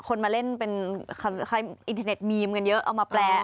คนมาเล่นเป็นอินเทอร์เน็ตมีมกันเยอะเอามาแปล